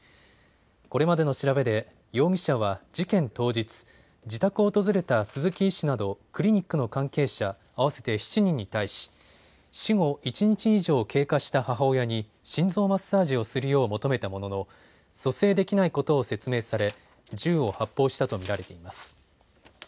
これまでの調べで容疑者は事件当日、自宅を訪れた鈴木医師などクリニックの関係者合わせて７人に対し死後１日以上経過した母親に心臓マッサージをするよう求めたものの蘇生できないことを説明され銃を発砲したと見られています。